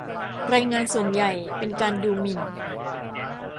รายงานส่วนใหญ่เป็นการดูหมิ่น